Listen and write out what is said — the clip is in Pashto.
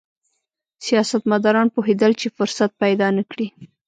سیاستمداران پوهېدل چې فرصت پیدا نه کړي.